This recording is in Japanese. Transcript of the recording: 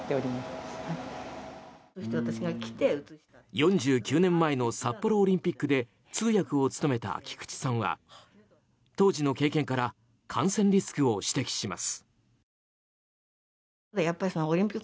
４９年前の札幌オリンピックで通訳を務めた菊地さんは当時の経験から感染リスクを指摘します。